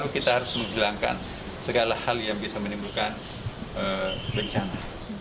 kita harus menghilangkan segala hal yang bisa menimbulkan bencana